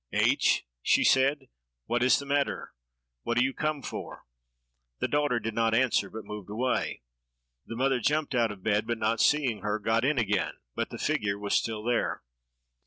"H——," she said, "what is the matter? what are you come for?" The daughter did not answer, but moved away. The mother jumped out of bed, but not seeing her, got in again: but the figure was still there.